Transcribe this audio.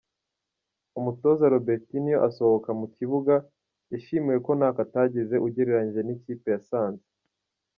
Umutoza Robertinho asohoka mu kibuga, yashimiwe ko ntako atagize ugereranyije n’ikipe yasanze